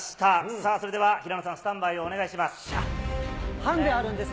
さあ、それでは平野さん、スタンバイをお願いします。